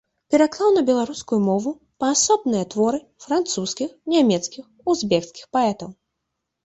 Пераклаў на беларускую мову паасобныя творы французскіх, нямецкіх, узбекскіх паэтаў.